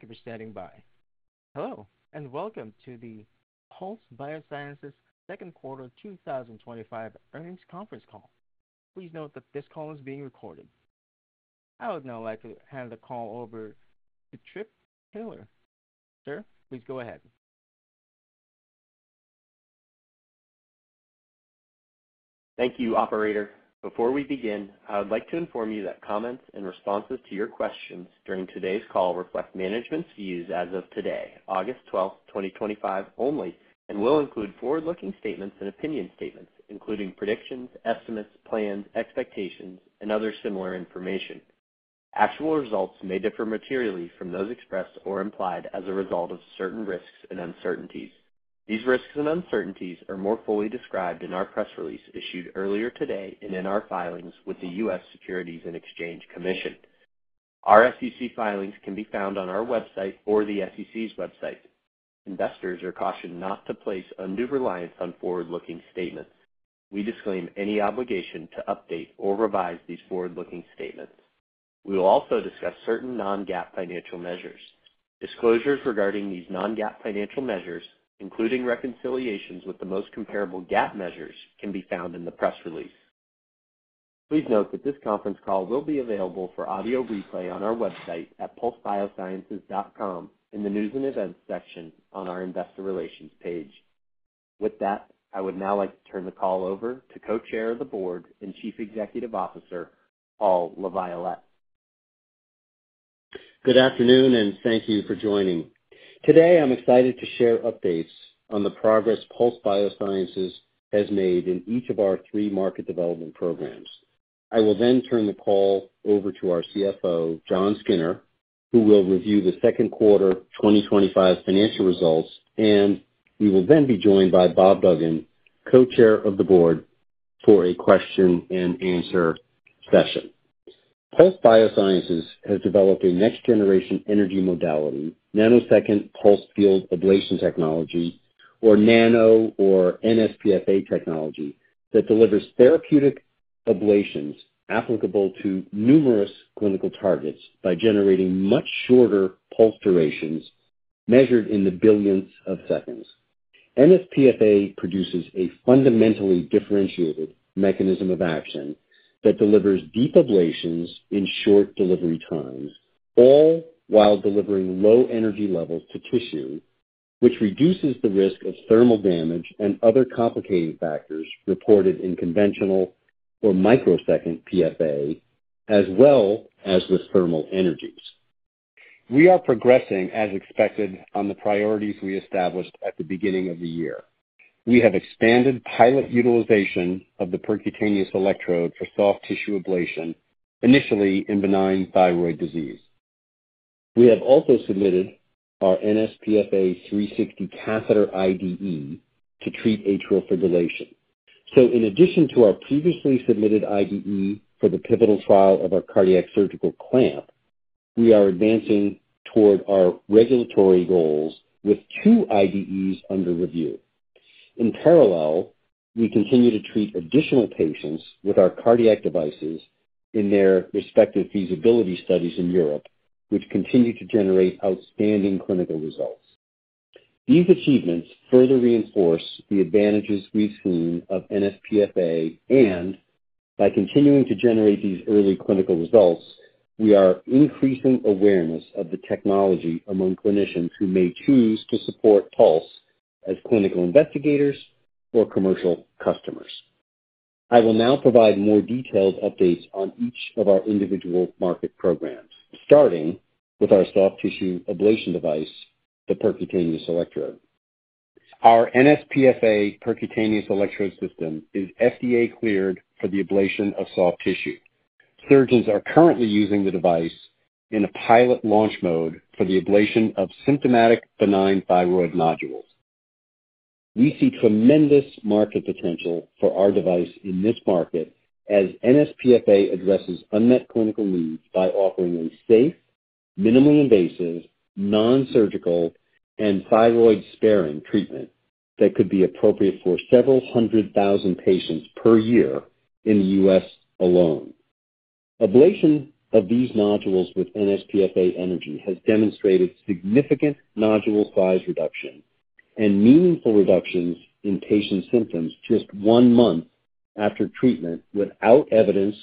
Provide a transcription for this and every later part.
Thank you for standing by. Hello and welcome to the Pulse Biosciences Second Quarter 2025 Earnings Conference Call. Please note that this call is being recorded. I would now like to hand the call over to Trip Taylor. Sir, please go ahead. Thank you, Operator. Before we begin, I would like to inform you that comments and responses to your questions during today's call reflect management's views as of today, August 12th, 2025 only, and will include forward-looking statements and opinion statements, including predictions, estimates, plans, expectations, and other similar information. Actual results may differ materially from those expressed or implied as a result of certain risks and uncertainties. These risks and uncertainties are more fully described in our press release issued earlier today and in our filings with the U.S. Securities and Exchange Commission. Our SEC filings can be found on our website or the SEC's website. Investors are cautioned not to place undue reliance on forward-looking statements. We disclaim any obligation to update or revise these forward-looking statements. We will also discuss certain non-GAAP financial measures. Disclosures regarding these non-GAAP financial measures, including reconciliations with the most comparable GAAP measures, can be found in the press release. Please note that this conference call will be available for audio replay on our website at pulsebiosciences.com in the news and events section on our investor relations page. With that, I would now like to turn the call over to Co-chair of the Board and Chief Executive Officer, Paul LaViolette. Good afternoon and thank you for joining. Today, I'm excited to share updates on the progress Pulse Biosciences has made in each of our three market development programs. I will then turn the call over to our CFO, Jon Skinner, who will review the second quarter 2025 financial results, and we will then be joined by Bob Duggan, Co-hair of the Board, for a question-and-answer session. Pulse Biosciences has developed a next-generation energy modality, nanosecond pulse field ablation technology, or nsPFA technology, that delivers therapeutic ablations applicable to numerous clinical targets by generating much shorter pulse durations measured in the billionths of seconds. nsPFA produces a fundamentally differentiated mechanism of action that delivers deep ablations in short delivery times, all while delivering low energy levels to tissue, which reduces the risk of thermal damage and other complicating factors reported in conventional or microsecond PFA, as well as with thermal energies. We are progressing as expected on the priorities we established at the beginning of the year. We have expanded pilot utilization of the percutaneous electrode for soft tissue ablation, initially in benign thyroid disease. We have also submitted our nsPFA 360° Catheter IDE to treat atrial fibrillation. In addition to our previously submitted IDE for the pivotal trial of our Cardiac Surgical Clamp, we are advancing toward our regulatory goals with two IDEs under review. In parallel, we continue to treat additional patients with our cardiac devices in their respective feasibility studies in Europe, which continue to generate outstanding clinical results. These achievements further reinforce the advantages we've seen of nsPFA, and by continuing to generate these early clinical results, we are increasing awareness of the technology among clinicians who may choose to support Pulse as clinical investigators or commercial customers. I will now provide more detailed updates on each of our individual market programs, starting with our soft tissue ablation device, the Percutaneous Electrode. Our nsPFA Percutaneous Electrode System is FDA-cleared for the ablation of soft tissue. Surgeons are currently using the device in a pilot launch mode for the ablation of symptomatic benign thyroid nodules. We see tremendous market potential for our device in this market as nsPFA addresses unmet clinical needs by offering a safe, minimally invasive, non-surgical, and thyroid-sparing treatment that could be appropriate for several hundred thousand patients per year in the U.S. alone. Ablation of these nodules with nsPFA energy has demonstrated significant nodule size reduction and meaningful reductions in patient symptoms just one month after treatment without evidence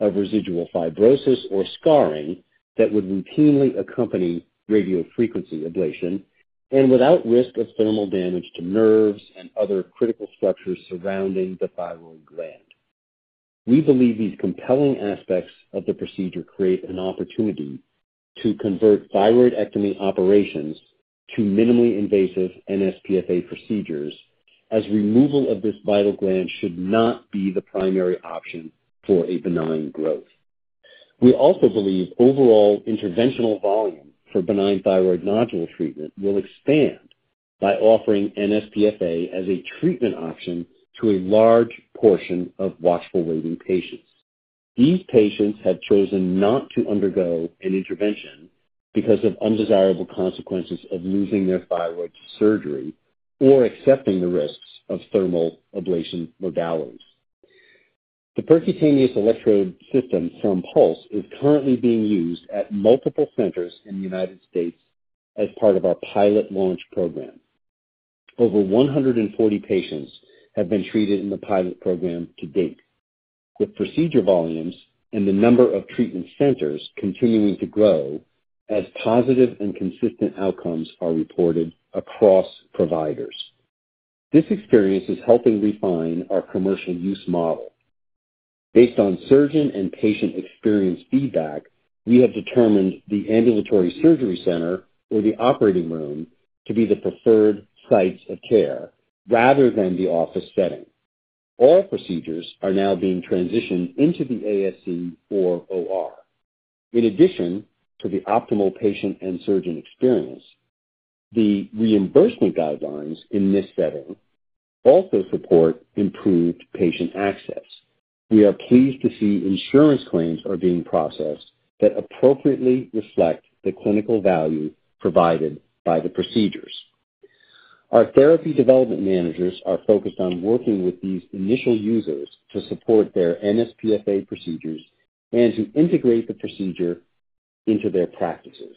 of residual fibrosis or scarring that would routinely accompany radiofrequency ablation and without risk of thermal damage to nerves and other critical structures surrounding the thyroid gland. We believe these compelling aspects of the procedure create an opportunity to convert thyroidectomy operations to minimally invasive nsPFA procedures as removal of this vital gland should not be the primary option for a benign growth. We also believe overall interventional volume for benign thyroid nodule treatment will expand by offering nsPFA as a treatment option to a large portion of watchful waiting patients. These patients have chosen not to undergo an intervention because of undesirable consequences of losing their thyroid to surgery or accepting the risks of thermal ablation modalities. The Percutaneous Electrode System from Pulse is currently being used at multiple centers in the United States as part of our pilot launch program. Over 140 patients have been treated in the pilot program to date, with procedure volumes and the number of treatment centers continuing to grow as positive and consistent outcomes are reported across providers. This experience is helping refine our commercial use model. Based on surgeon and patient experience feedback, we have determined the ambulatory surgery center or the operating room to be the preferred sites of care rather than the office setting. All procedures are now being transitioned into the ASC or OR. In addition to the optimal patient and surgeon experience, the reimbursement guidelines in this setting also support improved patient access. We are pleased to see insurance claims are being processed that appropriately reflect the clinical value provided by the procedures. Our therapy development managers are focused on working with these initial users to support their nsPFA procedures and to integrate the procedure into their practices.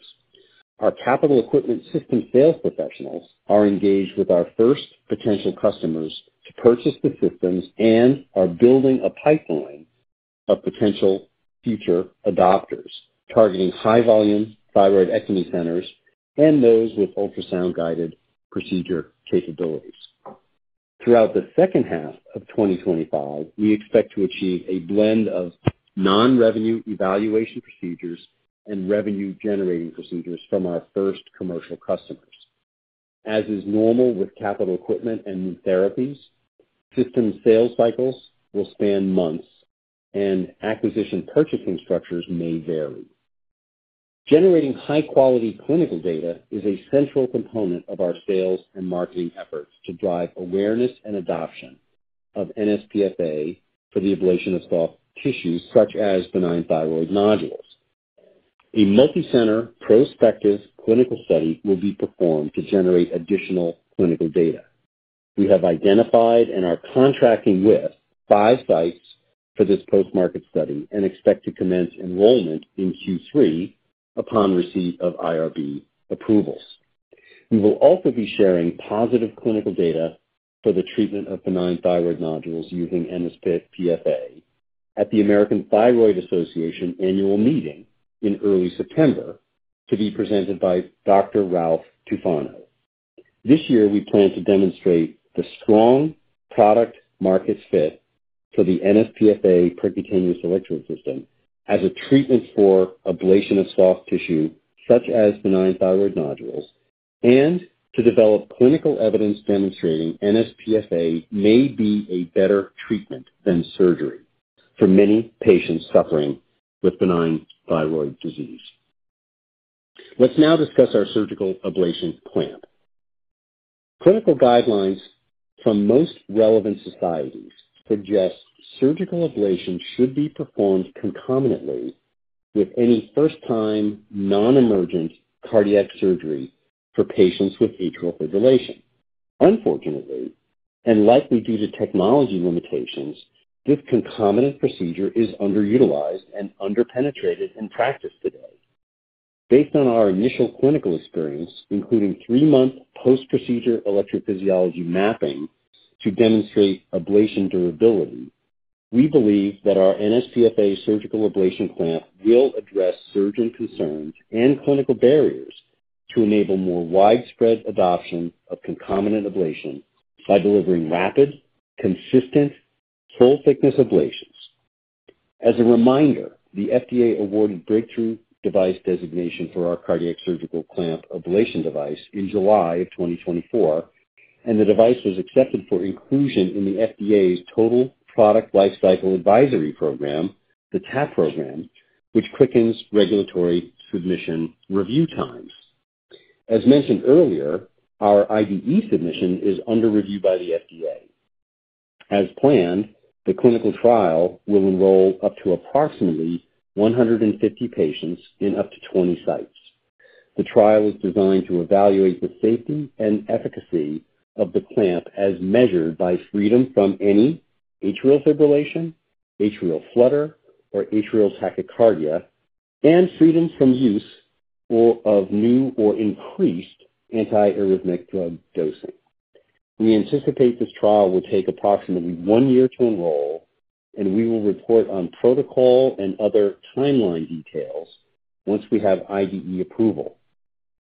Our capital equipment system sales professionals are engaged with our first potential customers to purchase the systems and are building a pipeline of potential future adopters targeting high-volume thyroidectomy centers and those with ultrasound-guided procedure capabilities. Throughout the second half of 2025, we expect to achieve a blend of non-revenue evaluation procedures and revenue-generating procedures from our first commercial customers. As is normal with capital equipment and new therapies, system sales cycles will span months and acquisition purchasing structures may vary. Generating high-quality clinical data is a central component of our sales and marketing efforts to drive awareness and adoption of nsPFA for the ablation of soft tissues such as benign thyroid nodules. A multi-center prospective clinical study will be performed to generate additional clinical data. We have identified and are contracting with five sites for this post-market study and expect to commence enrollment in Q3 upon receipt of IRB approvals. We will also be sharing positive clinical data for the treatment of benign thyroid nodules using nsPFA at the American Thyroid Association annual meeting in early September to be presented by Dr. Ralph Tufano. This year, we plan to demonstrate the strong product market fit for the nsPFA Percutaneous Electrode System as a treatment for ablation of soft tissue such as benign thyroid nodules and to develop clinical evidence demonstrating nsPFA may be a better treatment than surgery for many patients suffering with benign thyroid disease. Let's now discuss our Surgical Ablation Clamp. Clinical guidelines from most relevant societies suggest surgical ablations should be performed concomitantly with any first-time non-emergent cardiac surgery for patients with atrial fibrillation. Unfortunately, and likely due to technology limitations, this concomitant procedure is underutilized and underpenetrated in practice today. Based on our initial clinical experience, including three-month post-procedure electrophysiology mapping to demonstrate ablation durability, we believe that our nsPFA Surgical Ablation Clamp will address surgeon concerns and clinical barriers to enable more widespread adoption of concomitant ablation by delivering rapid, consistent, full-thickness ablations. As a reminder, the FDA awarded Breakthrough Device Designation for our Cardiac Surgical Clamp Ablation device in July of 2024, and the device was accepted for inclusion in the FDA's Total Product Lifecycle Advisory Program, the TAP Program, with quickened regulatory submission review times. As mentioned earlier, our IDE submission is under review by the FDA. As planned, the clinical trial will enroll up to approximately 150 patients in up to 20 sites. The trial is designed to evaluate the safety and efficacy of the Clamp as measured by freedom from any atrial fibrillation, atrial flutter, or atrial tachycardia, and freedom from use of new or increased antiarrhythmic drug dosing. We anticipate this trial will take approximately one year to enroll, and we will report on protocol and other timeline details once we have IDE approval.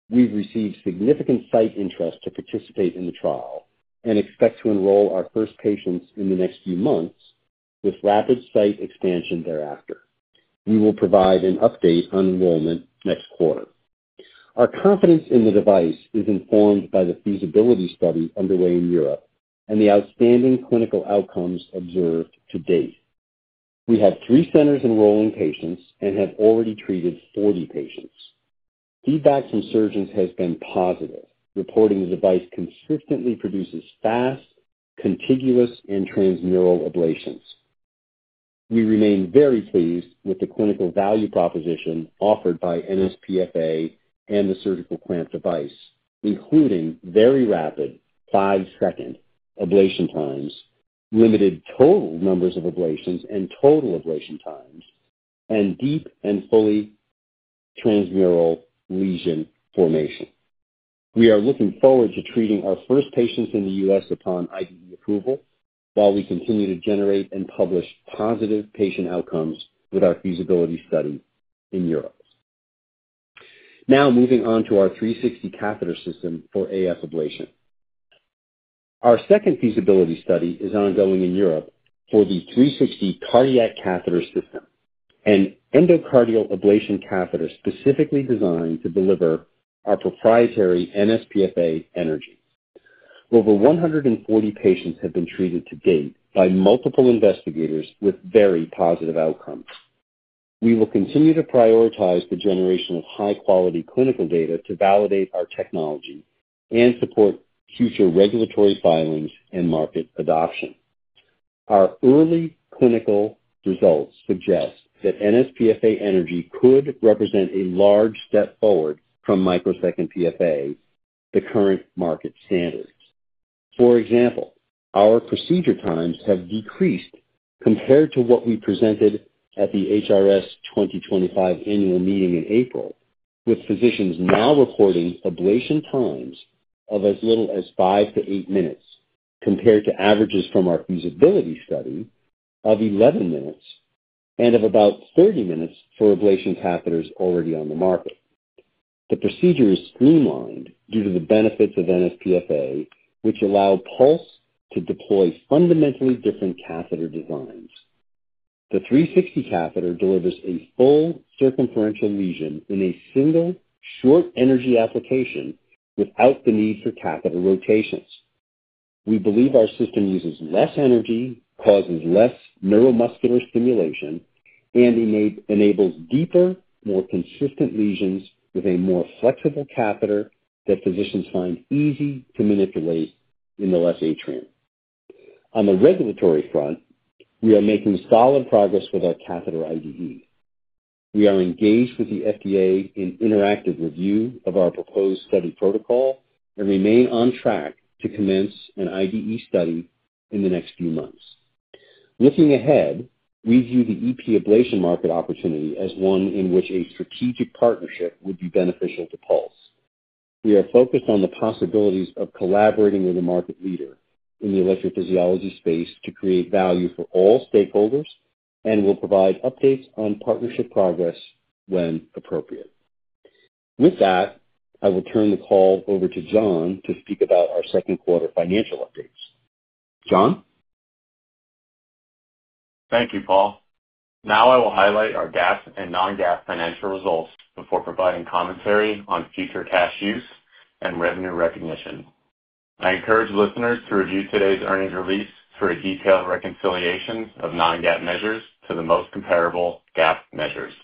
We've received significant site interest to participate in the trial and expect to enroll our first patients in the next few months with rapid site expansion thereafter. We will provide an update on enrollment next quarter. Our confidence in the device is informed by the feasibility study underway in Europe and the outstanding clinical outcomes observed to date. We have three centers enrolling patients and have already treated 40 patients. Feedback from surgeons has been positive, reporting the device consistently produces fast, contiguous, and transmural ablations. We remain very pleased with the clinical value proposition offered by nsPFA and the surgical clamp device, including very rapid five-second ablation times, limited total numbers of ablations and total ablation times, and deep and fully transmural lesion formation. We are looking forward to treating our first patients in the U.S. upon IDE approval while we continue to generate and publish positive patient outcomes with our feasibility study in Europe. Now moving on to our 360° Catheter System for AF ablation. Our second feasibility study is ongoing in Europe for the 360° Cardiac Catheter System, an endocardial ablation catheter specifically designed to deliver our proprietary nsPFA energy. Over 140 patients have been treated to date by multiple investigators with very positive outcomes. We will continue to prioritize the generation of high-quality clinical data to validate our technology and support future regulatory filings and market adoption. Our early clinical results suggest that nsPFA energy could represent a large step forward from microsecond PFA to current market standards. For example, our procedure times have decreased compared to what we presented at the HRS 2025 Annual Meeting in April, with physicians now reporting ablation times of as little as five to eight minutes compared to averages from our feasibility study of 11 minutes and of about 30 minutes for ablation catheters already on the market. The procedure is streamlined due to the benefits of nsPFA, which allow Pulse to deploy fundamentally different catheter designs. The 360° Catheter delivers a full circumferential lesion in a single short energy application without the need for catheter rotations. We believe our system uses less energy, causes less neuromuscular stimulation, and enables deeper, more consistent lesions with a more flexible catheter that physicians find easy to manipulate in the left atrium. On the regulatory front, we are making solid progress with our Catheter IDE. We are engaged with the FDA in interactive review of our proposed study protocol and remain on track to commence an IDE study in the next few months. Looking ahead, we view the electrophysiology ablation market opportunity as one in which a strategic partnership would be beneficial to Pulse. We are focused on the possibilities of collaborating with a market leader in the electrophysiology space to create value for all stakeholders and will provide updates on partnership progress when appropriate. With that, I will turn the call over to Jon to speak about our second quarter financial updates. Jon? Thank you, Paul. Now I will highlight our GAAP and non-GAAP financial results before providing commentary on future cash use and revenue recognition. I encourage listeners to review today's earnings release for a detailed reconciliation of non-GAAP measures to the most comparable GAAP measures.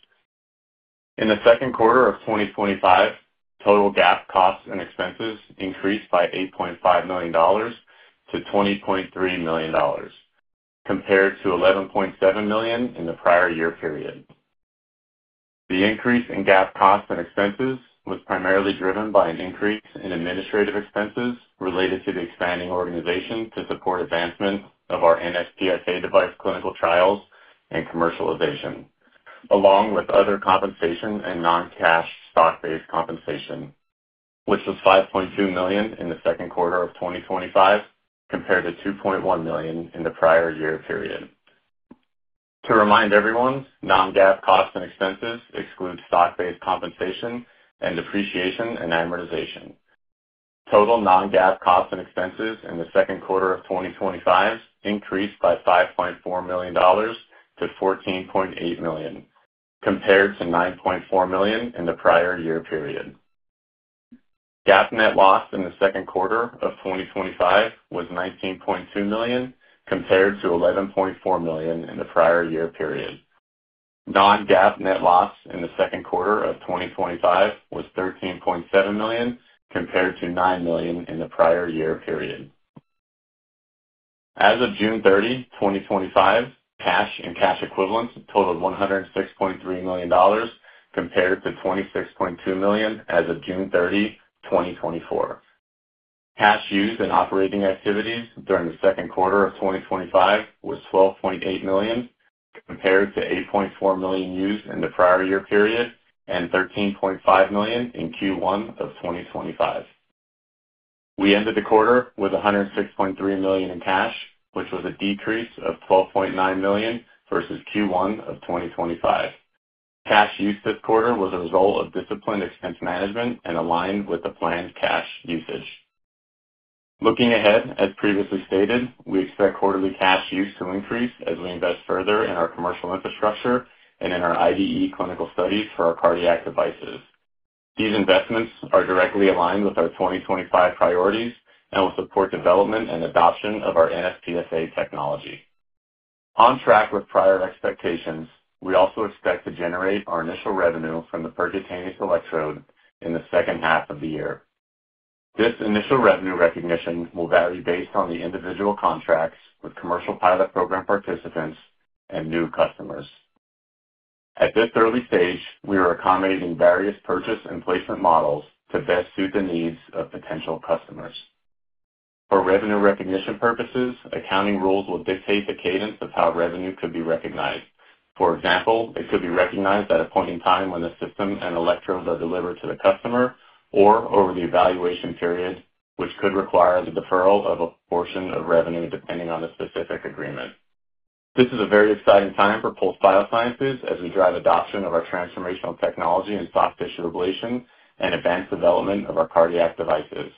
In the second quarter of 2025, total GAAP costs and expenses increased by $8.5 million-$20.3 million compared to $11.7 million in the prior year period. The increase in GAAP costs and expenses was primarily driven by an increase in administrative expenses related to the expanding organization to support advancement of our nsPFA device clinical trials and commercialization, along with other compensation and non-cash stock-based compensation, which was $5.2 million in the second quarter of 2025 compared to $2.1 million in the prior year period. To remind everyone, non-GAAP costs and expenses exclude stock-based compensation and depreciation and amortization. Total non-GAAP costs and expenses in the second quarter of 2025 increased by $5.4 million to $14.8 million compared to $9.4 million in the prior year period. GAAP net loss in the second quarter of 2025 was $19.2 million compared to $11.4 million in the prior year period. Non-GAAP net loss in the second quarter of 2025 was $13.7 million compared to $9 million in the prior year period. As of June 30, 2025, cash and cash equivalents totaled $106.3 million compared to $26.2 million as of June 30, 2024. Cash used in operating activities during the second quarter of 2025 was $12.8 million compared to $8.4 million used in the prior year period and $13.5 million in Q1 of 2025. We ended the quarter with $106.3 million in cash, which was a decrease of $12.9 million versus Q1 of 2025. Cash use this quarter was a result of disciplined expense management and aligned with the planned cash usage. Looking ahead, as previously stated, we expect quarterly cash use to increase as we invest further in our commercial infrastructure and in our IDE clinical studies for our cardiac devices. These investments are directly aligned with our 2025 priorities and will support development and adoption of our nsPFA technology. On track with prior expectations, we also expect to generate our initial revenue from the Percutaneous Electrode in the second half of the year. This initial revenue recognition will vary based on the individual contracts with commercial pilot program participants and new customers. At this early stage, we are accommodating various purchase and placement models to best suit the needs of potential customers. For revenue recognition purposes, accounting rules will dictate the cadence of how revenue could be recognized. For example, it could be recognized at a point in time when the system and electrodes are delivered to the customer or over the evaluation period, which could require the deferral of a portion of revenue depending on the specific agreement. This is a very exciting time for Pulse Biosciences as we drive adoption of our transformational technology in soft tissue ablation and advanced development of our cardiac devices.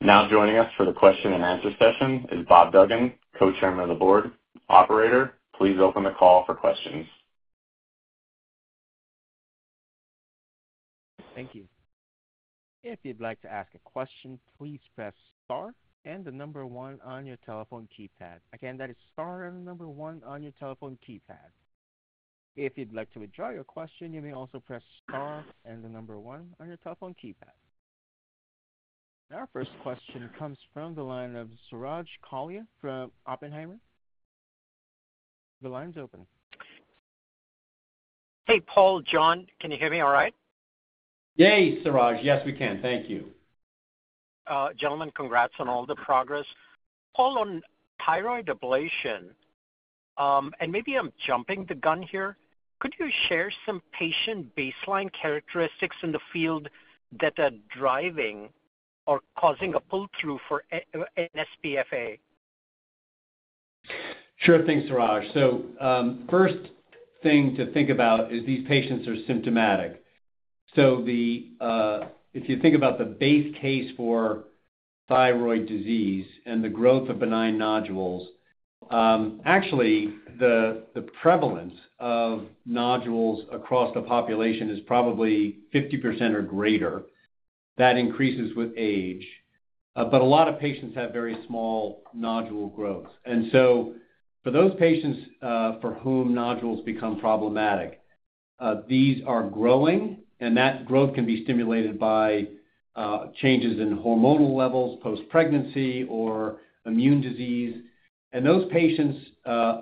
Now joining us for the question-and-answer session is Bob Duggan, Co-Chairman of the board. Operator, please open the call for questions. Thank you. If you'd like to ask a question, please press star and the number one on your telephone keypad. Again, that is star and the number one on your telephone keypad. If you'd like to withdraw your question, you may also press star and the number one on your telephone keypad. Our first question comes from the line of Suraj Kalia from Oppenheimer. The line's open. Hey, Paul. Jon, can you hear me all right? Yes, Suraj. Yes, we can. Thank you. Gentlemen, congrats on all the progress. Paul, on thyroid ablation, and maybe I'm jumping the gun here, could you share some patient baseline characteristics in the field that are driving or causing a pull-through for nsPFA? Sure thing, Suraj. First thing to think about is these patients are symptomatic. If you think about the base case for thyroid disease and the growth of benign nodules, the prevalence of nodules across the population is probably 50% or greater. That increases with age. A lot of patients have very small nodule growths. For those patients for whom nodules become problematic, these are growing, and that growth can be stimulated by changes in hormonal levels post-pregnancy or immune disease. Those patients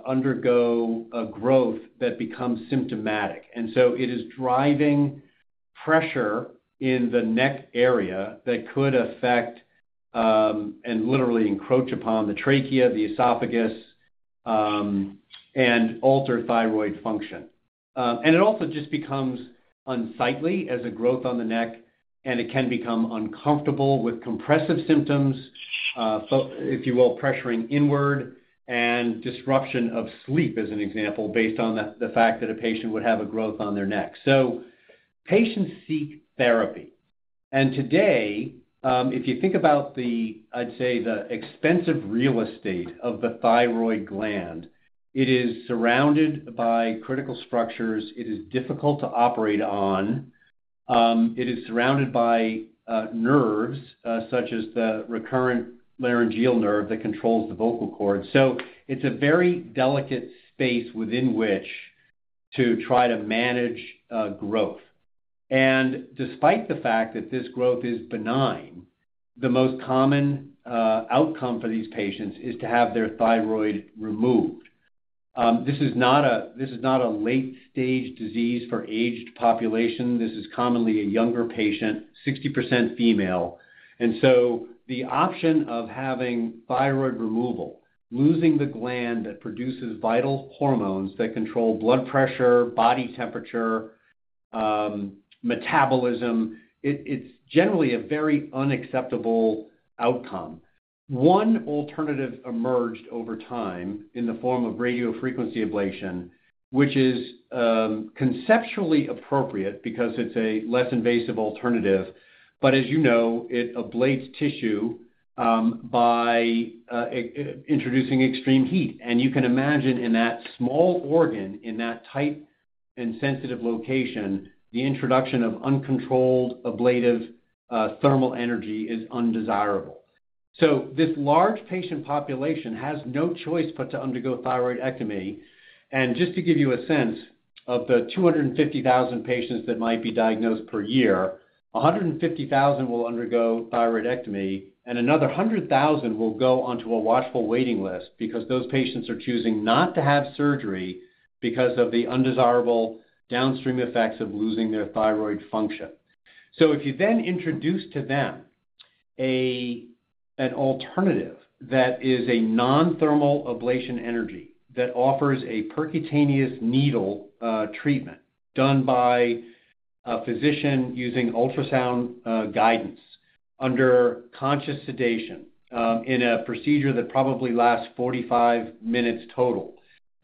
undergo a growth that becomes symptomatic. It is driving pressure in the neck area that could affect and literally encroach upon the trachea, the esophagus, and alter thyroid function. It also just becomes unsightly as a growth on the neck, and it can become uncomfortable with compressive symptoms, if you will, pressuring inward and disruption of sleep as an example, based on the fact that a patient would have a growth on their neck. Patients seek therapy. Today, if you think about the, I'd say, the expensive real estate of the thyroid gland, it is surrounded by critical structures. It is difficult to operate on. It is surrounded by nerves such as the recurrent laryngeal nerve that controls the vocal cord. It's a very delicate space within which to try to manage growth. Despite the fact that this growth is benign, the most common outcome for these patients is to have their thyroid removed. This is not a late-stage disease for aged population. This is commonly a younger patient, 60% female. The option of having thyroid removal, losing the gland that produces vital hormones that control blood pressure, body temperature, metabolism, it's generally a very unacceptable outcome. One alternative emerged over time in the form of radiofrequency ablation, which is conceptually appropriate because it's a less invasive alternative. As you know, it ablates tissue by introducing extreme heat. You can imagine in that small organ, in that tight and sensitive location, the introduction of uncontrolled ablative thermal energy is undesirable. This large patient population has no choice but to undergo thyroidectomy. To give you a sense of the 250,000 patients that might be diagnosed per year, 150,000 will undergo thyroidectomy, and another 100,000 will go onto a watchful waiting list because those patients are choosing not to have surgery because of the undesirable downstream effects of losing their thyroid function. If you then introduce to them an alternative that is a non-thermal ablation energy that offers a percutaneous needle treatment done by a physician using ultrasound guidance under conscious sedation in a procedure that probably lasts 45 minutes total,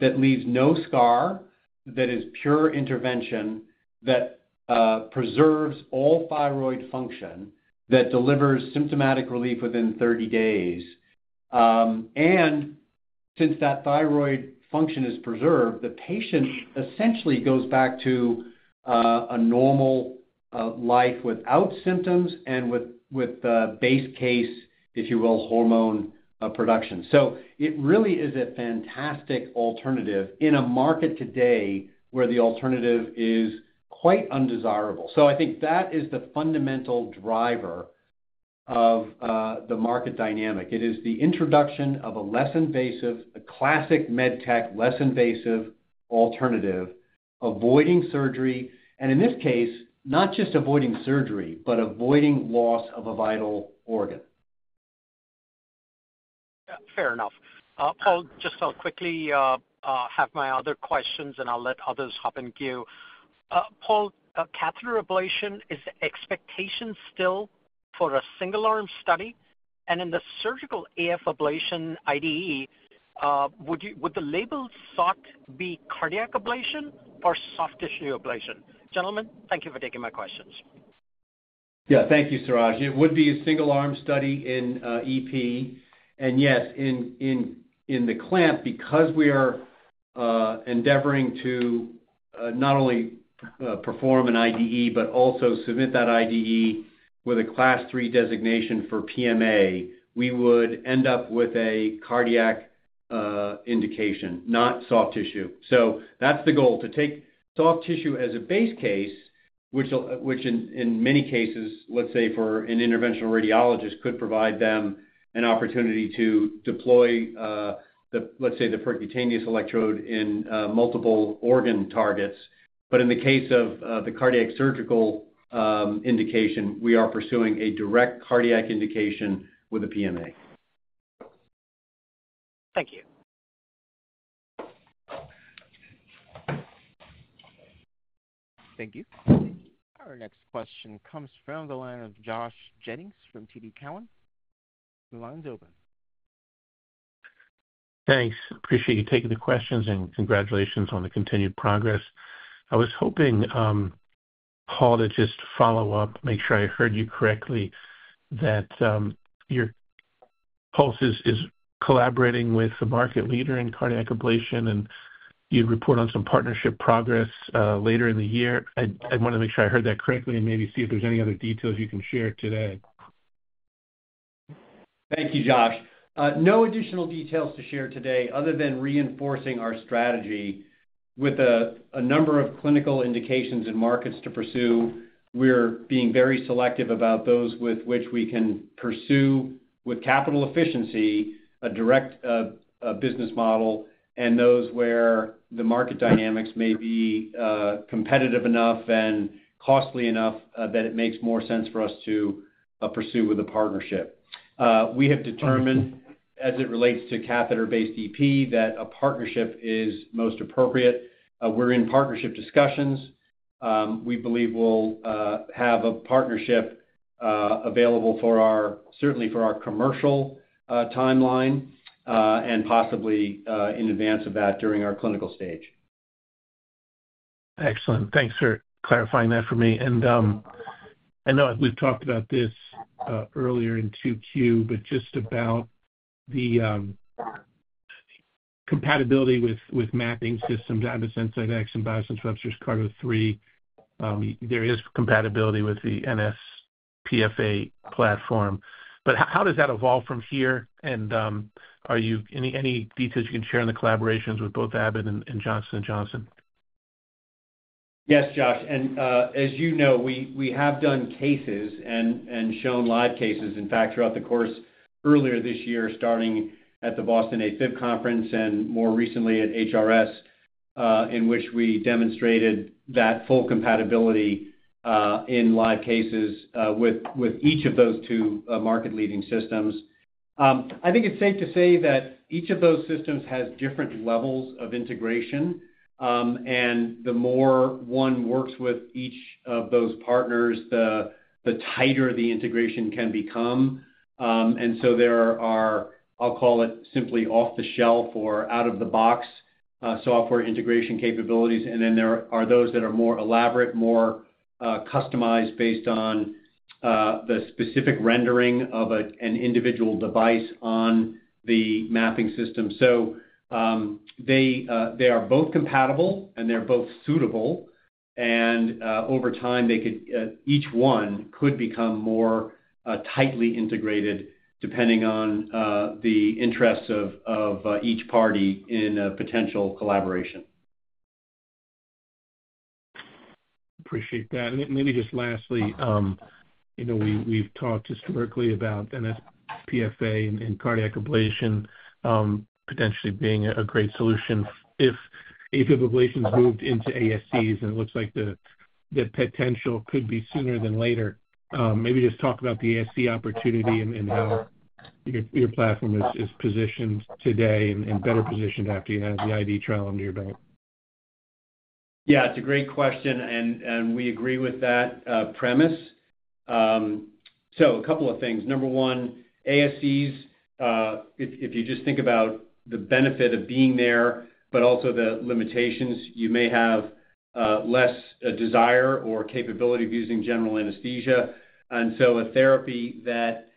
that leaves no scar, that is pure intervention, that preserves all thyroid function, that delivers symptomatic relief within 30 days, and since that thyroid function is preserved, the patient essentially goes back to a normal life without symptoms and with the base case, if you will, hormone production. It really is a fantastic alternative in a market today where the alternative is quite undesirable. I think that is the fundamental driver of the market dynamic. It is the introduction of a less invasive, a classic med tech, less invasive alternative, avoiding surgery. In this case, not just avoiding surgery, but avoiding loss of a vital organ. Yeah, fair enough. Paul, I'll quickly have my other questions and I'll let others hop in queue. Paul, catheter ablation, is the expectation still for a single arm study? In the surgical AF ablation IDE, would the label sought be cardiac ablation or soft tissue ablation? Gentlemen, thank you for taking my questions. Thank you, Suraj. It would be a single arm study in EP. Yes, in the Clamp, because we are endeavoring to not only perform an IDE, but also submit that IDE with a class 3 designation for PMA, we would end up with a cardiac indication, not soft tissue. That's the goal, to take soft tissue as a base case, which in many cases, let's say for an interventional radiologist, could provide them an opportunity to deploy, let's say, the percutaneous electrode in multiple organ targets. In the case of the cardiac surgical indication, we are pursuing a direct cardiac indication with a PMA. Thank you. Thank you. Our next question comes from the line of Josh Jennings from TD Cowen. The line's open. Thanks. Appreciate you taking the questions and congratulations on the continued progress. I was hoping, Paul, to just follow up, make sure I heard you correctly, that Pulse is collaborating with the market leader in cardiac ablation and you'd report on some partnership progress later in the year. I wanted to make sure I heard that correctly and maybe see if there's any other details you can share today. Thank you, Josh. No additional details to share today other than reinforcing our strategy with a number of clinical indications and markets to pursue. We're being very selective about those with which we can pursue with capital efficiency, a direct business model, and those where the market dynamics may be competitive enough and costly enough that it makes more sense for us to pursue with a partnership. We have determined, as it relates to catheter-based EP, that a partnership is most appropriate. We're in partnership discussions. We believe we'll have a partnership available for our, certainly for our commercial timeline and possibly in advance of that during our clinical stage. Excellent. Thanks for clarifying that for me. I know we've talked about this earlier in Q2, just about the compatibility with mapping systems. I have a sense that [X] and Biosense Webster CARTO 3, there is compatibility with the nsPFA platform. How does that evolve from here? Are you, any details you can share in the collaborations with both Abbott and Johnson & Johnson? Yes, Josh. As you know, we have done cases and shown live cases, in fact, throughout the course earlier this year, starting at the Boston AFib Conference and more recently at HRS, in which we demonstrated that full compatibility in live cases with each of those two market-leading systems. I think it's safe to say that each of those systems has different levels of integration. The more one works with each of those partners, the tighter the integration can become. There are, I'll call it simply, off-the-shelf or out-of-the-box software integration capabilities, and then there are those that are more elaborate, more customized based on the specific rendering of an individual device on the mapping system. They are both compatible and they're both suitable. Over time, each one could become more tightly integrated depending on the interests of each party in a potential collaboration. Appreciate that. Maybe just lastly, you know we've talked historically about nsPFA and cardiac ablation potentially being a great solution if atrial fibrillation ablation is moved into ambulatory surgery centers and it looks like the potential could be sooner than later. Maybe just talk about the ambulatory surgery center opportunity and how your platform is positioned today and better positioned after you have the IDE trial under your belt. Yeah, it's a great question and we agree with that premise. A couple of things. Number one, ASCs, if you just think about the benefit of being there, but also the limitations, you may have less desire or capability of using general anesthesia. A therapy that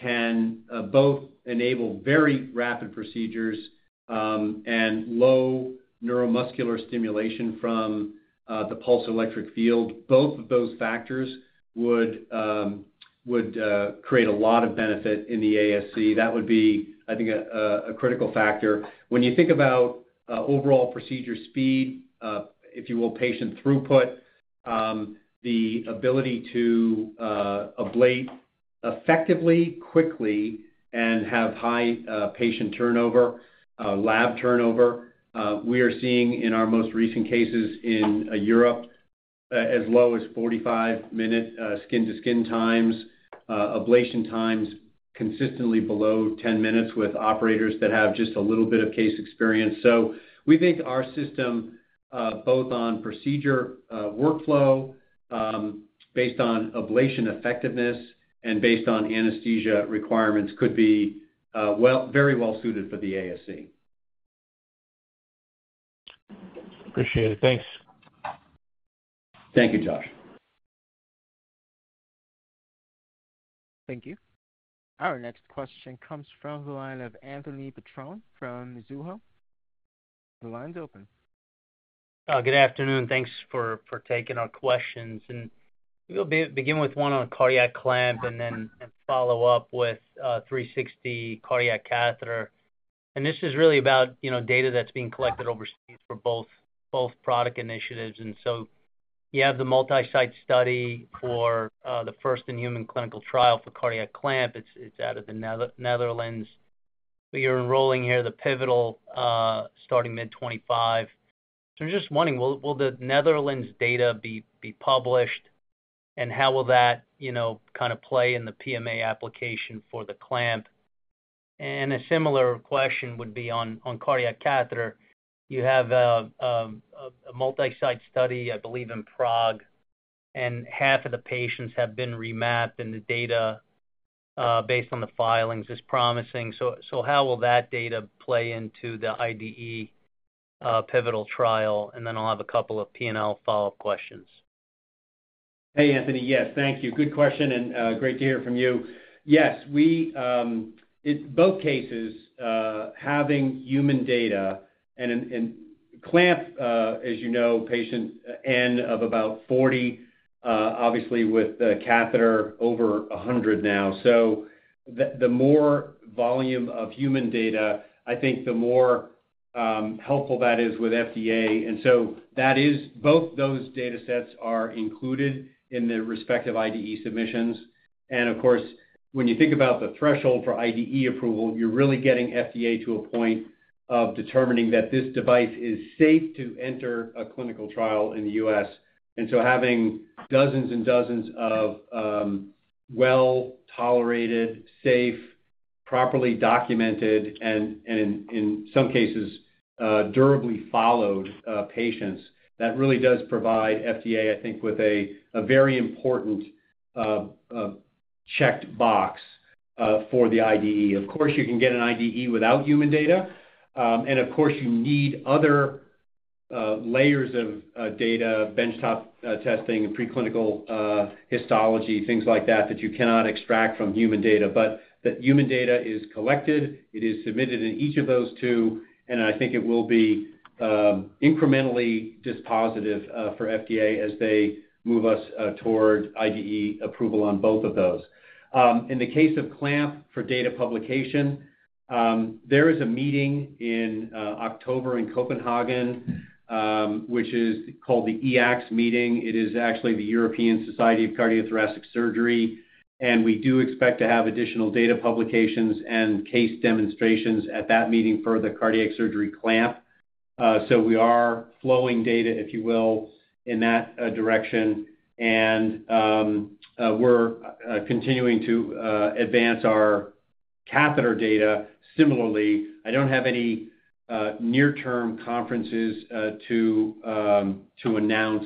can both enable very rapid procedures and low neuromuscular stimulation from the pulse electric field, both of those factors would create a lot of benefit in the ASC. That would be, I think, a critical factor. When you think about overall procedure speed, if you will, patient throughput, the ability to ablate effectively, quickly, and have high patient turnover, lab turnover, we are seeing in our most recent cases in Europe as low as 45-minute skin-to-skin times, ablation times consistently below 10 minutes with operators that have just a little bit of case experience. We think our system, both on procedure workflow, based on ablation effectiveness, and based on anesthesia requirements, could be very well suited for the ASC. Appreciate it. Thanks. Thank you, Josh. Thank you. Our next question comes from the line of Anthony Petrone from Mizuho. The line's open. Good afternoon. Thanks for taking our questions. We'll begin with one on the Cardiac Clamp and then follow up with the 360° Cardiac Catheter. This is really about data that's being collected overseas for both product initiatives. You have the multi-site study for the first-in-human clinical trial for the Cardiac Clamp. It's out of the Netherlands. You're enrolling here, the pivotal starting mid-2025. I'm just wondering, will the Netherlands data be published, and how will that kind of play in the PMA application for the Clamp? A similar question would be on the cardiac catheter. You have a multi-site study, I believe, in Prague. Half of the patients have been remapped, and the data based on the filings is promising. How will that data play into the IDE pivotal trial? I have a couple of P&L follow-up questions. Hey, Anthony. Yes, thank you. Good question and great to hear from you. Yes, it's both cases having human data and Clamp, as you know, patient N of about 40, obviously with the Catheter over 100 now. The more volume of human data, I think the more helpful that is with FDA. That is both those data sets are included in the respective IDE submissions. When you think about the threshold for IDE approval, you're really getting FDA to a point of determining that this device is safe to enter a clinical trial in the U.S. Having dozens and dozens of well-tolerated, safe, properly documented, and in some cases, durably followed patients, that really does provide FDA, I think, with a very important checked box for the IDE. You can get an IDE without human data. You need other layers of data, benchtop testing and preclinical histology, things like that that you cannot extract from human data. That human data is collected, it is submitted in each of those two, and I think it will be incrementally dispositive for FDA as they move us toward IDE approval on both of those. In the case of Clamp for data publication, there is a meeting in October in Copenhagen, which is called the EACTS meeting. It is actually the European Society of Cardiothoracic Surgery. We do expect to have additional data publications and case demonstrations at that meeting for the Cardiac Surgery Clamp. We are flowing data, if you will, in that direction. We're continuing to advance our catheter data similarly. I don't have any near-term conferences to announce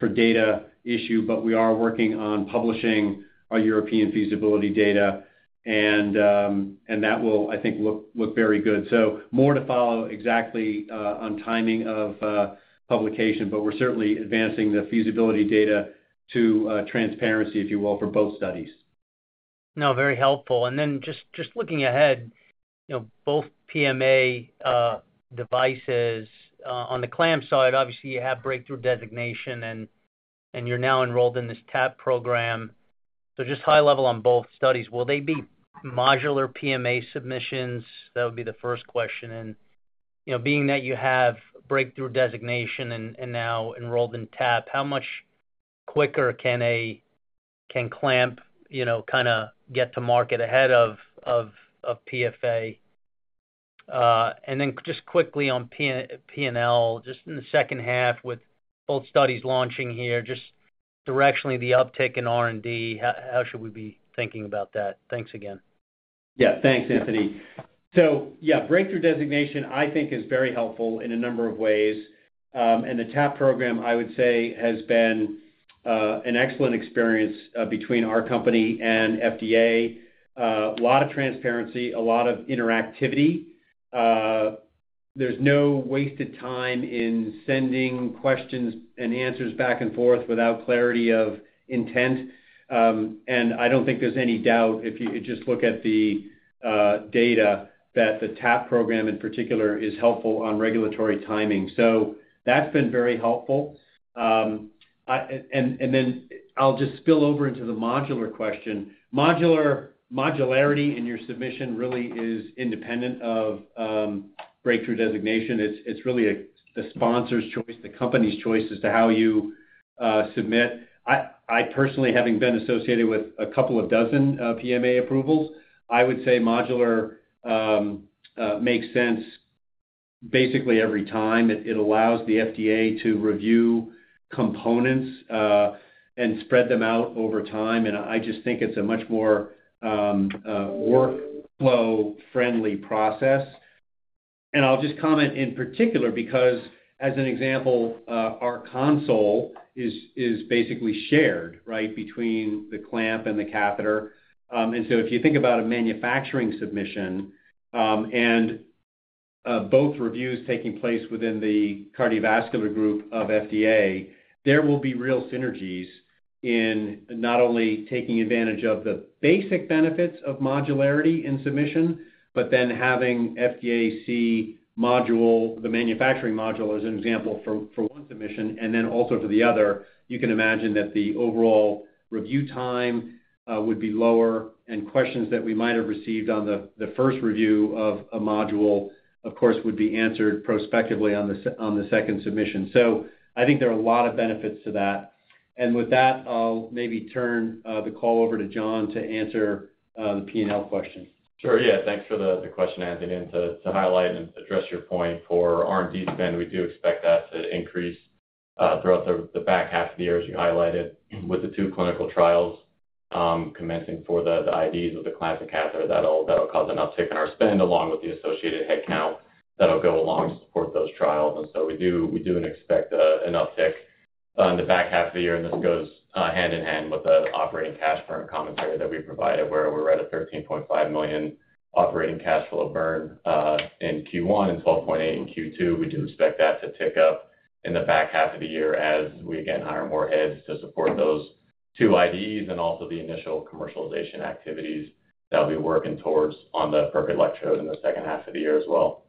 for data issue, but we are working on publishing our European feasibility data. That will, I think, look very good. More to follow exactly on timing of publication, but we're certainly advancing the feasibility data to transparency, if you will, for both studies. No, very helpful. Just looking ahead, both PMA devices on the Clamp side, obviously you have Breakthrough Designation and you're now enrolled in this TAP program. Just high level on both studies, will they be modular PMA submissions? That would be the first question. Being that you have Breakthrough Designation and now enrolled in TAP, how much quicker can Clamp get to market ahead of PFA? Just quickly on P&L, in the second half with both studies launching here, directionally the uptick in R&D, how should we be thinking about that? Thanks again. Yeah, thanks, Anthony. Breakthrough Designation I think is very helpful in a number of ways. The TAP program I would say has been an excellent experience between our company and FDA. A lot of transparency, a lot of interactivity. There's no wasted time in sending questions and answers back and forth without clarity of intent. I don't think there's any doubt if you just look at the data that the TAP program in particular is helpful on regulatory timing. That's been very helpful. I'll just spill over into the modular question. Modularity in your submission really is independent of Breakthrough Designation. It's really a sponsor's choice, the company's choice as to how you submit. I personally, having been associated with a couple of dozen PMA approvals, would say modular makes sense basically every time. It allows the FDA to review components and spread them out over time. I just think it's a much more workflow-friendly process. I'll just comment in particular because, as an example, our console is basically shared, right, between the Clamp and the Catheter. If you think about a manufacturing submission and both reviews taking place within the cardiovascular group of FDA, there will be real synergies in not only taking advantage of the basic benefits of modularity in submission, but then having FDA see the manufacturing module as an example for one submission and then also for the other. You can imagine that the overall review time would be lower and questions that we might have received on the first review of a module, of course, would be answered prospectively on the second submission. I think there are a lot of benefits to that. With that, I'll maybe turn the call over to Jon to answer the P&L question. Sure. Yeah, thanks for the question, Anthony, and to highlight and address your point for R&D spend. We do expect that to increase throughout the back half of the year as you highlighted with the two clinical trials commencing for the IDEs with the Clamp and Catheter. That'll cause an uptick in our spend along with the associated headcount that'll go along to support those trials. We do expect an uptick in the back half of the year. This goes hand in hand with the operating cash burn commentary that we provided where we're at a $13.5 million operating cash flow burn in Q1 and $12.8 million in Q2. We do expect that to pick up in the back half of the year as we again hire more heads to support those two IDEs and also the initial commercialization activities that we'll be working towards on the Perc Electrode in the second half of the year as well.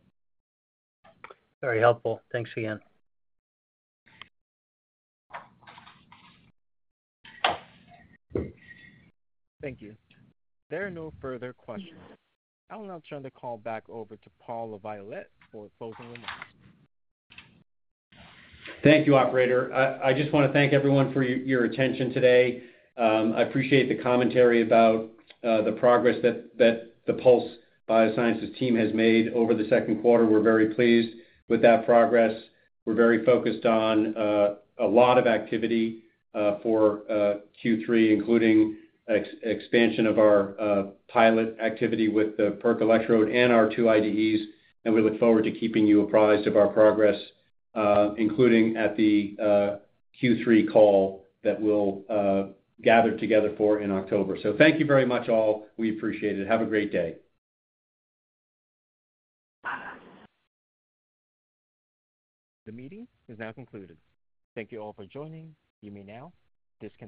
Very helpful. Thanks again. Thank you. There are no further questions. I will now turn the call back over to Paul LaViolette for closing remarks. Thank you, Operator. I just want to thank everyone for your attention today. I appreciate the commentary about the progress that the Pulse Biosciences team has made over the second quarter. We're very pleased with that progress. We're very focused on a lot of activity for Q3, including expansion of our pilot activity with the Perc Electrode and our two IDEs. We look forward to keeping you apprised of our progress, including at the Q3 call that we'll gather together for in October. Thank you very much all. We appreciate it. Have a great day. The meeting is now concluded. Thank you all for joining. You may now disconnect.